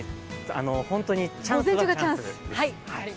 本当にチャンスはチャンスです。